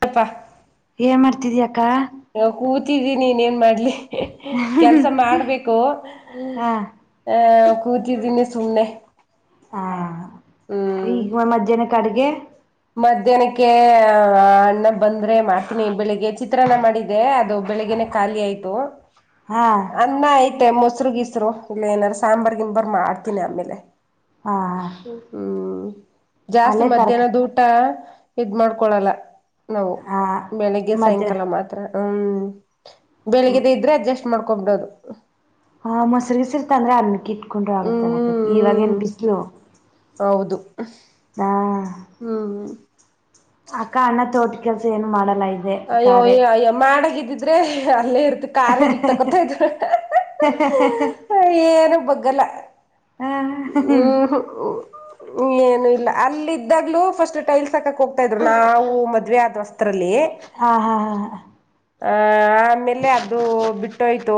ಕಪ್ಪ ಏನ್ ಮಾಡ್ತಿದ್ಯಾಕ್ಕಾ? ನ ಕೂತಿದ್ದೀನಿ ಇನ್ನೇನ್ ಮಾಡ್ಲಿ ಕೆಲ್ಸ ಮಾಡ್ಬೇಕು. ಹಾ ಹಾ ಕೂತಿದ್ದೀನಿ ಸುಮ್ನೆ. ಹಾ ಹ್ಮ್ ಈಗ ಮಧ್ಯಾಹ್ನಕ್ ಅಡ್ಗೆ? ಮಧ್ಯಾಹ್ನಕ್ಕೆ ಅಣ್ಣ ಬಂದ್ರೆ ಮಾಡ್ತೀನಿ ಬೆಳಿಗ್ಗೆ ಚಿತ್ರಾನ್ನ ಮಾಡಿದೆ ಅ ಬೆಳಗ್ ಖಾಲಿ ಆಯ್ತು ಹಾ ಅನ್ನ ಐ ಹಸರು ಗೀಸರು ಇಲ್ಲ ಏನಾದಾರು ಸಾಂಬಾರ್ ಗಿಂಬರ್ ಮಾಡ್ತೀನಿ ಆಮೇಲೆ ಹಾ ಹ್ಮ್ ಜಾಸ್ತಿ ಅಲ್ಲೇ ತರಕ ಮಧ್ಯಾಹ್ನ ದೂ ಇದ್ ಮಾಡ್ಕೊಳ್ಳಲ್ಲ ನಾವು ಹಾ ಬೆಳಿಗ್ಗೆ ಮಧ್ಯ ಸಾಯಂಕಾಲ ಮಾತ್ರ ಹ್ಮ್ ಬೆಳಿಗ್ದ ಇದ್ರೆ ಅಡ್ಜಸ್ಟ್ ಮಾಡ್ಕೊಬಿಡೋದು ಹಾ ಮೊಸರುಗಸರ್ತ ಅಂದ್ರೆ ಅನ್ನಕ್ಕ ಇಟ್ಕೊಂಡ್ರರು ಹ್ಮ್ ಆಗುತ್ತಲ್ಲ ಇವಾಗ ಹ್ಮ್ ಏನ್ ಬಿಸಲು ಹೌದು ಹ್ಮ್ ಅಕ್ಕ ಅಣ್ಣ ಚೋಟ ಕೆಲ್ಸ ಏನು ಮಾಡಲ್ಲ ಆ್ತ ಅಯ್ಯೋ ಅಯ್ಯೋ ಅಯ್ಯೋ ಮಾಡಾಗಿದ್ದಿದ್ರೆ ಅಲ್ಲೇ ಇರ್ತಿ ಕಾರ್ ಇಕ್ ತಕೊತ ಇದ್ರ ಹ ಬಗಲ [unintelligible] ಹ್ಮ್ ಏನು ಇಲ್ಲ ಅಲ್ಲಿದ್ದಾಗ್ಲೂ ಫಸ್ಟ್ ಟೈಲ್ಸ್ ತಕಕ್ ಹೋಗ್ತಾ ಇದ್ರು ನಾವು ಮದ್ವೆ ಆದ ವಸ್ತ್ರಲ್ಲಿ ಹಾ ಹಾ ಹಾ ಹಾ ಆ ಆಮೇಲೆ ಅದು ಬಿಟ್ಟೋಯ್ತು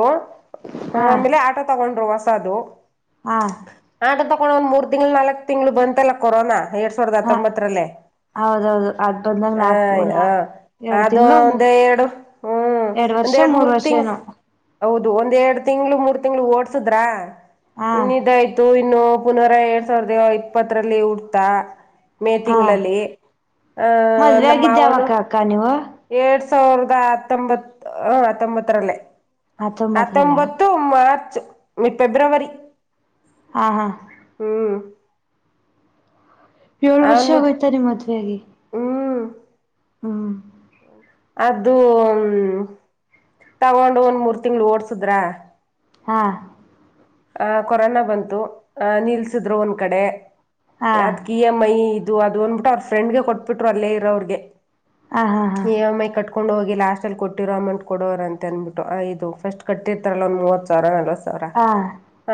ಆ ಹಾ ಆಮೇಲೆ ಆಟೋ ತಗೊಂಡ್ರು ಸದು [unintelligible] ಹಾ ನ ತೊೊಂಡ್ ಒಂದ ಮೂರ್ ತಿಂಗಳು ನಾಲ್ಕಕ್ ತಿಂಗಳು ಬಂತಲ್ಲ ಕೊರೋನಾ ಎರಡ್ ಸಾವಿರದ ಹಾ ಹತ್ತೊಂಬತ್ತರಲ್ಲೇ ಹೌದೌದು ಅದ್ ಬಂದಂಗ ಹ ನಾಲ್ಕು ನಾ ಅದು ಒಂದ ಎರಡು ಹ್ಮ್ ಒಂದ್ ವರ್ಷ ಎರಡು ಮೂರ್ ವರ್ಷ ತಿಂ ಏನೋ ಹೌದು ಒಂದ್ ಎರಡು ತಿಂಗ್ಳ ಮೂರ್ ತಿಂಗ್ಳ ಓಡ್ಸುದ್ರಾ ಹಾ ಇನ್ನ ಇನ್ನು ಪುನರ ಎರಡ್ ಸಾವಿರದ ಇಪ್ಪತ್ತರಲ್ಲಿ ಉಡ್ತಾ ಮೇ ಹಾ ತಿಂಗಳಲ್ಲಿ ಆಹ ಮದ್ವೆ ನಮ್ಮ ಆಗಿದ್ದ ಮಾವನು ಯಾವಾಗ ಅಕ್ಕ ನೀವು ಎರಡ್ ಸಾವಿರದ ಹತ್ತೊಂಬತ್ ಹತ್ತೊಂಬತ್ತರಲ್ಲೇ ಹತ್ತೊಂಬತ್ತರಲ್ಲ ಹತ್ತೊಂಬತ್ತು ಮಾರ್ಚ್ ಫೆಬ್ರವರಿ ಹಾ ಹಾ ಹ್ಮ್ ಏಳು ವರ್ಷ ಅವನು ಆಗೋಯ್ತಾ ಮದುವೆಯಾಗಿ ಹ್ಮ್ ಹ್ಮ ಅದು ಹ ತಗೊಂಡು ಒಂದ್ ಮೂರ್ ತಿಂಗಳ ಓಡ್ಸುದ್ರ ಹಾ ಆ ಕೊರೋನಾ ಬಂತು ಆ ನಿಲ್ಸಿದ್ರು ಒಂದ್ ಕಡೆ ಹಾ ಯದಕ್ ಇ ಎಮ್ ಐ ಇದು ಅದು ಅಂದ್ಬಿಟ್ಟು ಅವ್ರ ಫ್ರೆಂಡ್ಗೆ ಕೊಟ್ಬಿಟ್ರು ಅಲ್ಲೇ ಇರೋ ಅವ್ರಿಗೆ ಹಾ ಹಾ ಈ ಹಾ ಎಂ ಐ ಕಟ್ಕೊಂಡು ಹ ಲಾಸ್ಟ್ ಅಲ್ಲಿ ಕೊಟ್ಟಿರೋ ಅಮೌಂಟ್ ಕೊವರ ಅಂತ ಅನ್ಬಿಟ್ಟು ಇದು ಫಸ್ಟ್ ಕಟ್ಟಿರ್ತಾರಲ್ಲ ಒಂದ ಮೂವತ್ ಸಾವಿರ ಅ ಅವ್ರ ಹಾ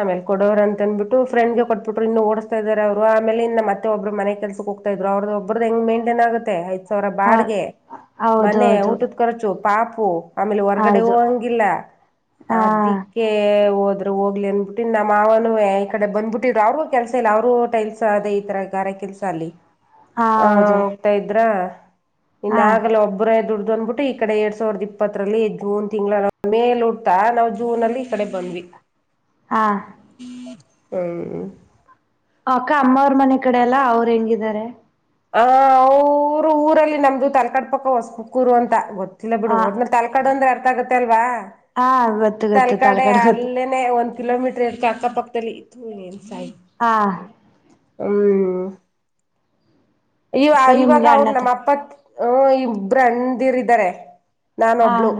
ಆಮೇಲೆ ಕೊಡವರ ಅಂದಬಟ್ಟು ಫ್ರೆಂಡ್ ಗೆ ಕೊಟ್ಬಿಟ್ರು ಇನ್ನು ಓಡಸ್ತಾ ಇದಾರೆ ಅವರು ಆಮೇಲೆ ಇ ಮತ್ತೊಬ್ರು ಮನೆ ಕೆಲ್ಸಕ್ ಹೋಗತ ಇದ್ರು ಅವರು ಒಬದ ಹ ಹೆಂಗ ಮೈಂಟೈನ್ ಆಗೆ ಆಯ್ ರ ಹ ಬಾಡಗೆ ಮನೆ ಹೌದೌದು ಊಟದ ಖರ್ಚು ಪಾಪು ಆಮೇಲೆ ಹೊರ್ಗಡೆ ಹೌದು ಹೋಗಂಗಿಲ್ಲ ಹಾ ಅದಿಕ್ಕೆ ಹೋಗ್ಲಿ ಅಂದಬಿಟ್ಟಿ ನಮ್ಮ್ವನು ಈ ಕಡೆ ಬಂದ್ಬಿಟ್ಟಿದರು ಅವರು ಕೆಲಸ ಇಲ್ಲ ಅವರು ಟೈಲ್ಸ್ ಅದ ಈ ತರ ಗಾರಕ್ಕೆ ಕೆಲ್ಸ ಅಲ್ಲಿ ಹಾ ಆ ಹೌದು ಹೋಗ್ತಾ ಇದ್ರ ಹಾ ರ ದುಡ್ದು ಅಂದಬಿಟ್ಟು ಈ ಕಡೆ ಎರಡ್ ಸಾವಿರದ ಇಪ್ಪತ್ತರಲ್ಲಿ ಜೂನ್ ತಿಂಗಳ ಮೇಲಿ ಉಡ್ತಾ ನಾವು ಜೂನ್ ಅಲ್ಲಿ ಈಡೆ ಬಂದ್ವಿ ಹಾ ಹ್ಮ್ ಅಕ್ಕ ಅಮ್ಮ ಅವ್ರ ಮನೆ ಕಡೆ ಅಲ್ಲ ಅವ್ರ ಹೆಂಗಿದ್ದಾರೆ ಆ ಅವರು ಊರಲ್ಲಿ ನಮ್ದು ತಲ್ಕಡ್ ಪಕ್ಕ ಹೊಸಪುಕ್ಕೂರು ಅಂತ ಗೊತ್ತ ಇಲ್ಲ ಬಿಡು ಹ ಒಟ್ಟಡ್ನ ತಲ್ಕಾೋ ಅ್ರೆ ಅರ್ಥ ಆಗೆ ಅಲ್ವಾ ಹಾ ಗೊತ್ತು ಗೊತ್ತು ತಲ್ಕಾಡ್ ತಲಕಾಡ್ ಗೊತ್ತು ಅಲ್ಲನನೆ ಒಂದ ಕಿಲೋಮೀಟ್ರ ಎಕ್ಕೆ ಅಕ್ಕಪಕ್ಕದಲ್ಲಿ ಇತ್ತು ಏನು ಸಾಯ ಹಾ ತರ. ಹ್ಮ. ಈವ ಅಕ್ಕ ಇವಾಗ ನಿಮ್ಗೆ ಅಣ್ಣ ಅವರು ತ ನಮ್ಮ ಅಪ್ಪತ್ ಹ ಇಬ್ರ ಅಂದಿರಿದರೆ. ನಾನ ಹಾ ಒಬ್ಳು ಅಣ್ಣ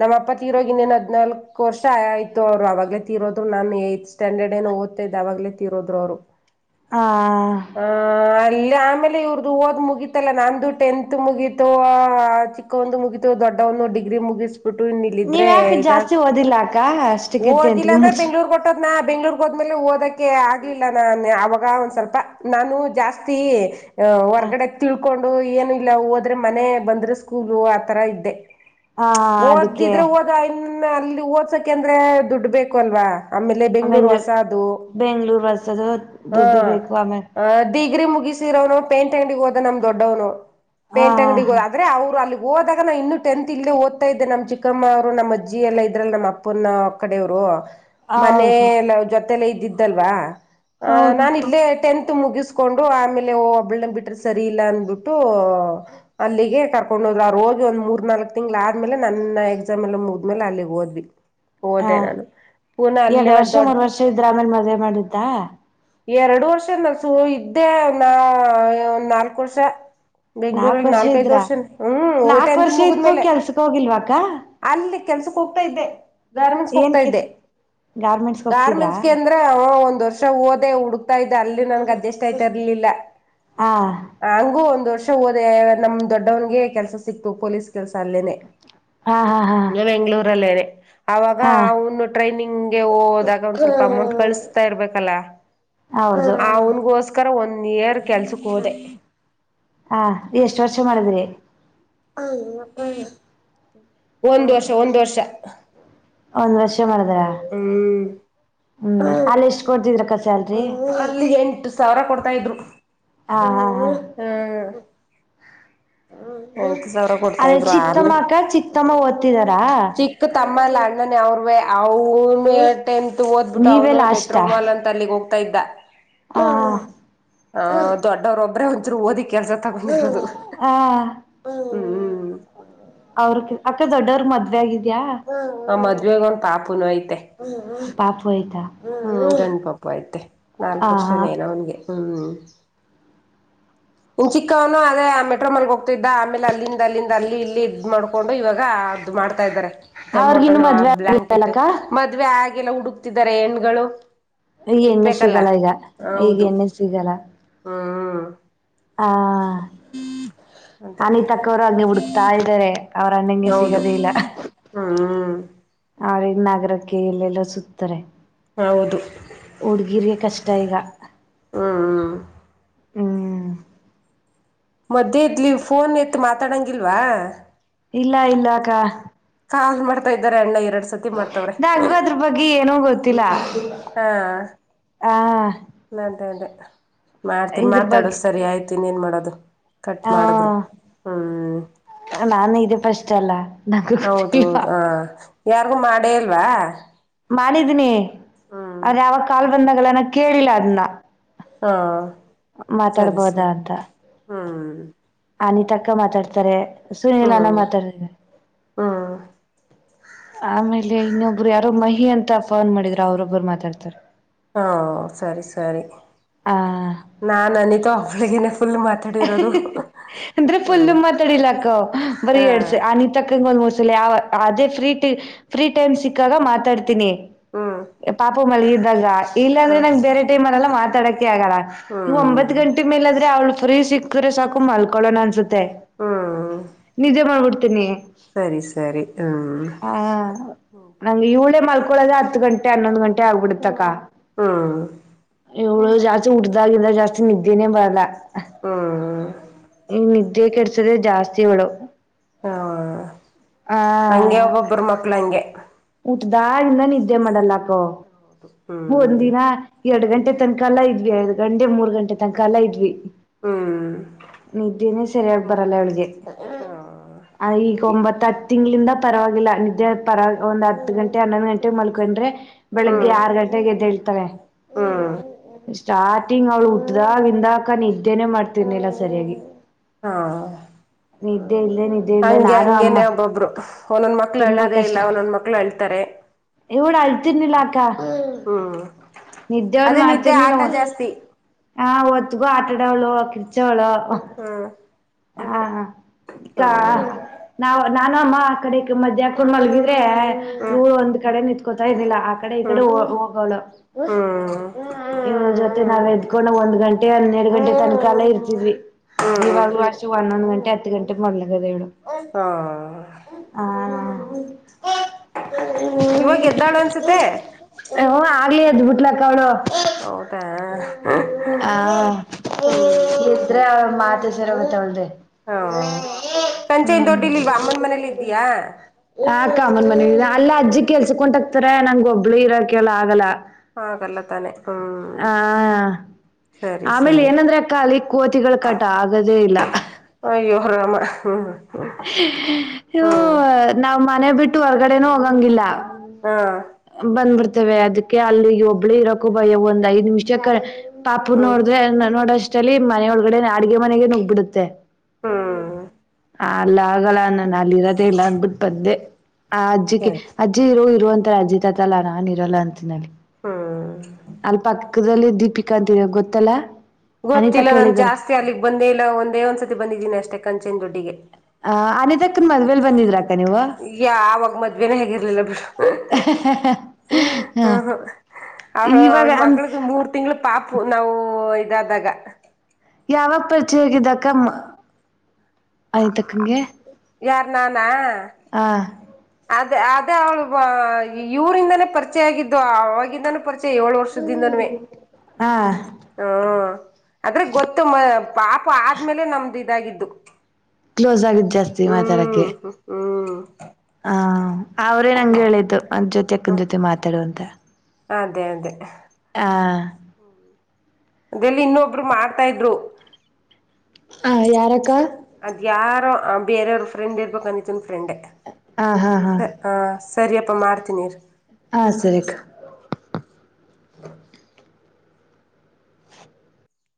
ನಮ್ಮ ಅಪ್ಪ ತೀರೋಗನ್ನೇನ್ ಹದ್ನಾಲ್ಕು. ವರ್ಷ ಆಯ್ತ ಅವರು ಅವವ್ಲೇ ತೀರೋರು ನನ್ ಯತ್ ಸ್ಟ್ಯಾಂಡರ್ಡ್ ಏನು ಓದ್ತೈ್ದ ಅವಾಗ್ರೋದ್ ಅವ್ರು. ಹ ಹ ಅಲ್ಲ. ಆಮೇಲೆ ಇವ್ರದ್ದ ಓದ್ ಮುಗಿತತಲ್ಲ ನಂದು ಟೆಂತ್ ಮುಗೀಿತು ಚಿಕ್ಕ ಒಂದು ಮುಗಿತು ದೊಡ್ಡ ಅವಂದು. ಗ್ರಿ ಮುಗಿಸ್ಬಿಟ್ಟು ಇನ್ನಲ್ಲ ನೀವ್ ಇದ್ರೆ ಯಾಕೆ ಇದಾಗ ಜಾಸ್ತಿ ಓದಿಲ್ಲ ಅಕ್ಕ ಅಷ್ಟಕ್ಕೆ ಓದಿಲ್ಲ ಟೆಂತ್ಗೆ ಅಂದ್ರೆ ಮುಗ್ಸ್ ಬೆಂಗ್ಳೂರ್ ಹೊಂಟಾಗ. ನಾ ಬೆಂಗ್ಳೂರ್ಗೆ ಹೋದ್ಮೇಲೆ ಓದಕ್ಕೆ ಆಗ್ಲಿಲ್ಲ ನಾನು ಅವಾಗ ಒಂದ್ ಸ್ವಲ್ಪ ನಾನು ಜಾಸ್ತಿ. ಅಹ ಹ ಹೊರ್ಗಡೆ ತಿಳ್ಕೊಂಡು ಏನು ಇಲ್ಲ ಹೋದ್ರೆ ಮನೆ ಬಂದ್ರೆ ಸ್ಕೂಲು ಆತರ ಇದ್ದೆ. ಆ ಅದಕ್ಕೆ ಓದಿದ್ರೆ ಓದ ಇ ಅಲ್ಲಿ ಓದ್ಸಕ ಅಂದ್ರೆ ದುಡ್ ಬೇಕು ಅಲ್ವಾ. ಆಮೇಲೆ ಬೆಂಗ್ಗಳೂರು ಬೆಂಗ್ಳೂರ್ ಹೊಸದು ಬೆಂಗ್ಳೂರ್ ಬಸದು ಹ ದುಡ್ಡು ಬೇಕು ಆಮೇಲೆ ಡಿಗ್ರಿ ಮುಗ. ಮುಗಿಸಿರನು ಪೇಂಟ್ ಅಂಗಡಡಿ ಹೋದ ನಮ್ ದೊಡ್ಡವ್ನು ಹಾ ಪೇಂಟ್ ಅಂಗಡಿಗೆ ಹಾ ಹೋದ ಆದ್ರೆ ಅವರು ಅಲ್ಲಿ. ಹೋದಾಗ ನಾ ಇನ್ನುೂ ಟೆಂತ್ ಇಲ್ಲ ಓದತ ಇದ್ದೆ ನಮ್ ಚಿಕ್ಕಮ್ಮರು ನಮ್ಮ ಅಜ್ಜಿ ಎಲ್ಲ ಇದ್ರಲ್ಲಿ ನಮ್ಮ ಅಪ್ಪನ ಕಡೆಯವ್ರು. ಹಾ ಹೌದು ಮನಲ್ಲ ಜೊತೆಲ್ಲ ಇದ್ದಿದ್ದಲ್ವಾ ಆ ನಾನ ಇಲ್ಲೇ ಟೆಂತ್. ಮುಗಿಸ್ಕೊಂಡು ಆಮೇಲೆ ಹೋಗ್. ಬಿಟ್ರೆ ಸರಿ ಇಲ್ಲಾ ಅಂದ್ಬಿಟ್ಟು ಅಲ್ಲಿಗೆ ಕರ್ಕೊಂಡ ಹೋದ್ ಆ ರೋಗಿ ಒಂದ ಮೂರ್ ನಾಲ್ಕ್ ತಿಂಗ್ಳ. ಆದ್ಮೇಲೆ ನನ್ನ ಎಕ್ಸಾಮ್ ಎಲ್ಲ ಮುಗದ್ಮೇಲೆ ಅಲ್ಲಿ ಓದ್ವಿ. ಹಾ ಹೋದೆ ನಾನು ಪೂಣ ಎರಡು ಅಲ್ಲಿಯ ವರ್ಷ ದೊಡ್. ಮೂರ್ ವರ್ಷ ಇದ್ರ ಆಮೇಲೆ ಮದ್ವೆ ಮಾಡಿದ್ದ ಎರಡು ವರ್ಷ ನಸು ಇದ್ದೆ ನಾ ಒಂದ್ ನಾಲ್ಕು ವರ್ಷ. ನಾಕ್ ಬೆಂಗ್ಳೂರಲ್ಲಿ ವರ್ಷ ನಾಲ್ಕೈದ್ ಇದ್ರ ವರ್ಷನ ಹ್ಮ್ ಊಟ ನಾಕ್ ಎಂತ ವರ್ಷ ಇದ್ಕೋ ಮುಗಿದ್ಮೇಲೆ. ಕೆಲ್ಸಕ್ ಹೋಗಿಲ್ವಾಗ ಅಲ್ಲಿ ಕೆಲ್ಸಕ್ ಹೋಗ್ತಾ ಇದ್ದೆ ಗಾರ್ಮೆಂಟ್ಸ್ ಹೋಗ್ತಾ ಇದ್ದೆ. ಗಾರ್ಮೆಂಟ್ಸ್. ಗಾರ್ಮೆಂಟ್ಸ್ಗೆ ಅಂದ್ರ ಒಂದ್ ವರ್ಷ ಹಓದೆ ಹುಡುಕ್ತಾ ಇ್ದ ಅಲ್ಲಿ ನನ್ಗ್ ಅಡ್ಜಸ್ಟ್ ಆಯ್ತಾ ಇರ್ಲಿಲ್ಲ. ಹ. ಹ ಹಂಗು ಒಂದ್. ಒಂದ್ ವರ್ಷ ಹೋದೆ ನಮ್ ದೊಡ್ಡವನಿಗೆ ಕೆಲ್ಸ ಸಿಕ್ತು ಪೊಲೀಸ್ ಕೆಲ್ಸ ಅಲ್ಲೇನೆ. ಹಾ ಹಾ ಹಾ ನಿ ಬೆಂಗ್ಳೂರ ಅಲ್ಲೇನೆ. ಅವಾಗ ಹಾ ಅವನು ಟ್ರೈನಿಂಗ್ಗೆ ಹೋದಾಗ ಒಂದ ಸ್ವಲ್ಪ ಅಮೌಂಟ್ ಕಳಿಸತಾ ಇರ್ಬೇಕಲ್ಲ. ಹೌದು ಆ ಅವನ್ಗೋಸ್ಕರ ಒಂದ. ಹಾ ಎಷ್ಟ್ ವರ್ಷ ಮಾಡಿದ್ರಿ. [inaudible] ಹ ಒಂದ್ ವರ್ಷ ಒಂದ್ ವರ್ಷ ಒಂದು ಮಾಡ ಹ್ಮ್ ಹ್ಮ ಅಲ್ಲಿ ಎಷ್ಟ ಕೊಡ್ತಿದ್ರ. ಅಲ್ಲಿ ಎಂಟು ಸಾವಿರ ಕೊಡ್ತಾ ಇದ್ರು. ಹಾ ಹ. ಹು. ಹ್ಮ. ಅದೇ ಇದ್ರು ಆರ್ಮಿ ಚಿತ್ತಮ್ಮ ಅಕ್ಕ ಚಿತ್ತಮ್ಮ ಓದ್ತಿದಾರಾ. ಅವ್ನು ಟತ್ ಓದ್ಬಿಟ್ಟು ನೀವೇ ಅವ್ನು ಮೆಟ್ರೋ ಲಾಸ್ಟಾ ಮಾಲ್ ಅಂತ ಅಲ್ಲಿಗ್ ಹೋಗ್ತ. ಇದ್ದ ಹ ಆ ದೊಡ್ಡವರೊಬ್ಬ್ರ ಒಂಜರು ಓದಿಕ್ಕೆ. ಹೂ ಹಾ. ಹ್ಮ ಹ್ಮ್ ಅವ್ರ ಅಕ್ಕ ದೊಡ್ಡವ್ರ ಮದ್ವೆ ಆಗಿದ್ಯಾ. ಆ ಮದ್ವೆಗ ಒಂದ್ ಪಾಪುನು ಐತೆ. ಪಾಪು ಆಯ್ತಾ. ಹ್ಮ್ ಗಂಡು ಪಾಪ ಐತೆ ಹ ನಾಲ್ಕು ಹ ವರ್ಷನೇನ ಅವನ್ಗೆ ಹ್ಮ್. ಇನ್ ಚಿಕ್ಕವನು ಅದೇ ಆ ಮೆಟ್ರೋ ಮಲ್ ಹೋಗ್ತ ಇದಿದ್ದ ಆಮೇಲೆ ಅಲ್ಲಿಂದ ಅಲ್ಲಿಂದ ಅಲ್ಲಿ ಇಲ್ಲಿ ಇದ್ ಮಾಡ್ಕೊಂಡ. ಇವಾಗ ಅದು ಮಾಡ್ತಾ ಇದ್ದಾರೆ ಅವ್ರಿಗಿನ್ನು ಜಮೋಟೋನು ಆ ಮದ್ವೆ ಬ್ಲಾಂಕೆಟ್ ಆಗಿಲ್ಲಕ್ಕ ಮದುವೆ ಆಗು. ಹುಡುಕ್ತಿದ್ದಾರೆ ಹೆಣ್ಗಳು. ಈಗ ಎಣ್ಣೆ ಸಿಕ್ಬೇಕಲ್ಲ ಸಿಗಲ್ಲ ಈಗ ಈಗ ಹೌದು ಎಣ್ಣೆ ಹ್ಮ್. ಹ ಅದೇ ಅನಿತಕ್ಕವರು ಹಾಗೆ ಹುಡುಕ್ತಾ ಇದ್ದಾರೆ. ಅವ್ರ ಅಣ್ಣಂಗೆ ಹೌದು ಸಿಗದೇ ಇಲ್ಲ. ಹ್ಮ್ ಅವ್ರ ನಾಗರಕ್ಕೆ ಎಲ್ಲೆಲ್ಲ ಸುತ್ತತಾರೆ. ಹೌದು. ಹುಡ್ಗೀರ್ರಿಗೆ ಕಷ್ಟ ಈಗ. ಹ್ಮ್ ಹ್ಮ. ಹ್ಮ್. ಮದೆ ಇದಲಿ ಫೋನ್ ಎತ್ ಮಾತಾಡಂಗಿಲ್ವಾ. ಇಲ್ಲ ಇಲ್ಲ ಅಕ್ಕಾ ಹಾ ಮಾಡ್ತಾ ಇದಾರೆ ಅಣ್ಣ. ಎರಡ್ ಸತಿ ಮಾಡ್ತವ್ರೆ ನಂಗು ಅದ್ರ ಬಗ್ಗೆ ಏನೂ ಗೊತ್ತಿಲ್ಲ. ಹಾ ಹಾ. ಅದೇ ಅದೇ ಮಾಡ್ತೀನಿ ಮಾತಾಡು ಸರಿ ಆಯ್ತೀನಿ ಏನ್ ಮಾಡೋದು. ಕಟ್ ಹಾ ಮಾಡಿದ್ರು ಹ್ಞೂ ನಾನು ಇದೀ ಪಷ್ಟ ಅಲ್ಲ. ನಂಗೂ ಹೌದು ಗೊತ್ತಿಲ್ಲ ಹ ಯಾರಿಗೂ ಮಾಡೇ ಅಲ್ವಾ. ಮಾಡಿದೀನಿ ಅ್ರ ಯಾವಾಗ ಕಾಲ್ ಬಂದಾಗಲ್ಲನ ಕೇಳಿಲ್ಲ ಅದನ್ನ. ಹಾ. ಮಾತಾಡ್ಬೋದ ಅಂತ ಹ್ಞೂ ಅನಿತಕ್ಕ ಮಾತಾಡ್ತಾರೆ. ಸುನಿಲ ಹ್ಞೂ ಅನ್ನ ಮಾತಾಡತವೆ. ಹ್ಞೂ ಆಮೇಲೆ ಇನ್ನೊಬ್ರು ಯಾರೋ ಮಹಿ ಅಂತ ಫೋನ್ ಮಾಡಿದ್ರ ಅವ್ರೊಬ್ಬರು ಮಾತಾಡ್ತಾರ. ಹಾ ಸರಿ ಸರಿ ಆ ನಾಾನನ್ನಿತ ಅವಳಗ. ಅಂದ್ರೆ ಹ್ಞೂ ಫುಲ್ಲ ಮಾತಾಡಿಲ್ಲಕ್ಕ ಬರಿ ಎಡ್ಸ ಹಾಂ ಅನ ತಕ್ಕಂಗ ಆಲ್ಮೋಸ್ಟ್. ಅದೇ ಫ್ರೀ ಟ ಫ್ರೀ ಟೈಮ್ ಸಿಕ್ಕಾಗ ಮಾತಾಡ್ತೀನಿ. ಹ್ಞೂ ಪಾಪು ಮಲ್ಲಿ ಇದ್ದಾಗ ಇಲ್ಲಾಂದ್ರೆ ಹಾಂ ನಂಗಗೆ ಬೇರೆ ಟೈಮ್ನೆೆಲ್ಲ ಮಾತಾಡಕ್. ಆಗಲ್ಲ ಈ ಒಂಬತ್ ಹ್ಞೂ ಗಂಟೆ ಮೇಲಾದ್ರೆ ಅವ್ಳು ಫ್ರೀ ಸಿಕ್ಕ್ರೆ ಸಾಕು ಮಲ್ಕೊೊಳ್ಳೋಣ ಅನ್ಸುತ್ತೆ. ಹ್ಞೂ ಮತ್ತ ನಿಜೇ ಮಾಡ್ಬಿಡ್ತೀನಿ. ಸರಿ ಸರಿ ಹ್ಞೂ ಹ ನಂ ಇವುಳೇ ಮಾಡಲ್ಕ. ಳ್ರೆ ಹತ್ತು ಗಂಟೆ ಹನ್ನೊಂದು ಗಂಟೆ ಆಗ್ಬಿಡತಕ್ಕ. ಹಾ. ಇಳು ಜಾಸ್ತಿ ಉಡ್ದಾಗಿಲ್ಲ ಜಾಸ್ತಿ ನಿದ್ದೇನೇ ಬರಲ್ಲ ಹ್ಞೂ ನಿದ್ದೆ. ಕೆಡಸದೆ ಜಾಸ್ತಿ ಮಾಡ. ಹಾ ಹಂಗೆ ಒಬ್ಬೊಬ್ಬರು ಮಕ್ಳ ಹಂಗೆ. ಊಟದಾಗಿಿಂದ ನಿದ್ದೆ ಮಾಡಲ್ಲ. ಹ ಹೌದು. ಒಂದಿನ ಎರಡ್ ಗಂಟೆ ತನಕಾಲ ಇದ್ವಿ ಎರಡು ಗಂಟೆ ಮೂರ್ ಗಂಟೆ ತನಕಾಲ ಇದ್ವಿ. ಹ್ಮ್ ನಿದ್ದೆನೆ ಸರಿಯಾಗಿ ಹಂಗೆ ಬರಲ್ಲ ಅವಳಿಗೆ. ಹಾ ಈಗ ಒಂಬತ್ ಹತ್ತು ತಿಂಗಳಿಂದ. ಪರವಾಗಿಲ್ಲ ನಿದ್ದೆ ಪರವಾಗಿ ಒಂದ್ ಹತ್ತು ಗಂಟೆ ಹನ್ನೊಂದು ಗಂಟೆಗೆ ಮಲ್ಕೊಂಡ್ರೆ ಬೆಳಗ್ಗೆ ಆರು ಗಂಟೆ. ಹೇಳ್ತಾರೆ. ಹಾ. ಸ್ಟಾರ್ಟಿಂಗ್ ಅವ್ಳು ಹುಟ್ಟ್ದಾಗ ಹಿಂದಾಕ ನ ಇದ್ದೇನೆ ಮಾಡ್ತರ್ನಿಲ್ಲ ಸರಿಯಾಗಿ. ಹಾ. ನಿದ್ದೆ ಇಲ್ಲೇ ನಿದ್ದೆ ಇಲ್ಲೇ ಹಂಗೆ ನಾನು ಅಮ್ಮ ಹಂಗೇನೆ ಒಬ್ಬೊಬ್ರು ಒಂದೊಂದ್ ಮಕ್ಳು ಅಳ್ಳೋದೇ ಇಲ್ಲ ಒಂದೊಂದ್ ಮಕ್ಳು ಅಳ್ತಾರೆ. ಇವಡ ಅಳ್ತಿರ್ನಿಲ್ಲ ಅಕ್ಕಾ ಹ್ಮ್ ನಿಿದ್ದೆ ಒನ್ ಅದೇ ನಿದ್ದೆ ಆಟ ಮಾಡ್ತರ್ನಿಲ್ಲನ್. ಜಾಸ್ತಿ ಹಾ ಒತ್ತುಗೋ ಆಟಾಡ ಅವಳೋ ಕಿಡಚವಳೋ. ಹಾ. ಹಾ ಈ ನಾವು ನಾನ ಅಮ್ಮ ಆ ಕಡೆ ಮಜ್್ಯಾಕೊಂಡ ಮಲ್ಗ. ಹ್ಮ್ ನೂರು ಒಂದ್ ಕಡೆ ನಿತ್ಕೋತಾ ಇದಿಲ್ಲ ಆ ಕಡೆ ಈ ಕಡೆ. ಹ್ಮ್ ಹ್ಮ್ ಜೊತೆ ನಾವ. ಕೊಂಡ ಒಂದ್ ಗಂಟೆ ಹನ್ನೆರಡು ಗಂಟೆ ತನ ಕಾಲ ಇರ್ತಿದ್ವಿ ಹ್ಮ್ ಇವಾಗ್ರ್ಷ. ಪನ್ನೊಂದಂದು ಗಂಟೆ ಹತ್ತು ಗಂಟೆ ಮೊದಲ ಕದ ಎ ಹಾ ಹ. ಹ್ಮ ಇವಾಗ ಎದ್ದಾಳು ಅನ್ಸುತ್ತೆ ಆಗ್ಲಿೇ ಅದ್ ಬಿಟ್ಲಕ್ಕಣ ಹೌದಾ ಹ ಹ್ಮ್ ಎ್ರ ಮಾತ ಸರಗತ್ತ ಒ್ರೆ ಹಾ ಕಂಚೈಿಂದ ದೊಡ್ಡಿಲಿಲ್ವಾ ಅಮ್ಮನ್ ಮನೇಲಿ ಇದಯ ಕೆಲ್ಸಕೊಂಡಟಕ್ತಾರೆ ನಂಗಗೆ ಒಬ್ಬಳು ಇರಕ್ಕೆ ಎಲ್ಲ ಆಗಲ್ಲ ಹ ಕಲ್ಲ ತಾನೆ ಹ್ಮ್ ಆ ಸರಿ ಆಮೇಲೆ ಸರಿ ಏನಂದ್ರೆ ಅಲಿ ಕೋತಿಗಳು ಕಟ ಆಗದೇ ಇಲ್ಲ ಹರ ಹ್ಮ್ ಹ್ಮ್ ಹ ನಾವ್ ಮನೆ ಬಿಟ್ಟು ಹೊರ್ಗಡೆನೂ ಹೋಗಂಗಿಲ್ಲ ಹಾ ತ ಅದಕ್ಕೆ ಅಲ್ಲಿ ಒಬ್ಬಳು ಇರಕ್ಕೂ ಭಯ ಒಂದ್ ಐದ್ ನಿಮಿಷ ಪಾಪು ಹ್ಮ್ ನೋಡ್ದ್ರೆ ನೋಡ ಚಲಿ ಮನೆೆಯೊಳಗಡೆ ಅಡ್ಗೆ ಮನೆಗೆ ನುಗ್ಬಿಡುತ್ತೆ ಹ್ಮ್ ಆ ಅಲ್ಲ ಆಗಲ್ಲ ನಾನು ಅಲ್ಲಿ ಇರೋದೆೇ ಇಲ್ಲ ಅಂದ್ಬಿಟ್ಟು ಬಂದೆ ಆ ಅಜ್ಜಿಿಗೆ ಸರಿ ಅಜ್ಜಿ ಇರೋ ಇರುವಂತ ಅಜತ್ತ್ತಲ್ಲ ನಾನ್ ಇರಲ್ಲ ಅಂತಿನೇಳಿ ಹ್ಮ್ ಪಕ್ಕದಲ್ಲಿ ದೀಪಿಕಾ ಅಂತರ ಗೊತ್ತಲ್ಲಾ ಗೊತ್ತಿಲ್ಲ ನಾನನ್ ಜಾಸ್ತಿ ಅಲ್ಲಿಗ್ ಬಂದೇ ಇಲ್ಲ ಒಂದೇ ಒಂದ್ಸತಿ ಬಂದಿದ್ದೀನಿ ಅಷ್ಟೇ ಕಂಚನ್ ದುಡ್ಡಿಗೆ ಆ ಅನಿತಕ್ಕನ ಮದುವೆ ಲ್ ಬಂದಿದ್ರ ಯ ಅವವಾಗ ಮದ್ವೆೇನ ಹೇಗಿರ್ಲಿಲ್ಲ ಬಿಡು ಹಾ ಅವ ಇವಾಗ ಅವಳ ಅನ್ ಮಗ ಮೂರ್ ತಿಂಗಳ ಪಾಪು ನಾವು ಇದಾದಾಗ ಯಾವ ಪರಿಚಯಾಗಿದಕ ಅನಿತಕ್ಕಂಗೆ ನಾನಾ ಹಾ ಅದೇ ಅದೇ ಅವ್ಳು ಇವರಿಂದಾನೇ ಪರಿಚಯ ಆಗಿದ್ದು ಅವವಾಗಿಂದಾನೂ ಪರಿಚಯ ಏಳು ವರ್ಷದ್ದಿಂದನ್ವೇ ಹಾ ಹ್ಮ ಆದ್ರೆ ಗೊತ್ತು ಮ ಪಾಪ ಆದ್ಮೇಲೆ ನಮ್ದು ಇದಾಗಿದ್ದು ಕ್ಲೋಸ್ ಆಗಿದ್ ಜಾಸ್ತಿ ಮಾತಾಡಕ್ಕೆ ಹ್ಮ್ ಹ್ಮ್ ಹ ಅವ್ರೇ ನಂಗೆ ಹೇಳಿದ್ದು ಅದ್ ಜೊತೆ ಅಕ್ಕನ ಜೊತೆ ಮಾತಾಡುುವ ಅಂತ ಅದೇ ಅದೇ ಆ ಹ್ಮ ಅದೆಲ್ಲಿ ಇನ್ನೊಬ್ರು ಮಾಡ್ತಾ ಇದ್ರು ಹ ಯಾರಕ್ಕಾ ಅದ್ ಯಾರೋ ಬೇರವ್ರ ಫ್ರೆಂಡ್ ಇರ್ಬೇಕು ಅನಿತನ್ ಹಾ ಹಾ ಹಾ ಆ ಸರಿಯಪ್ಪ ಮಾಡ್ತೀನಿ ಹಾ ಸರಿ ಅಕ್ಕ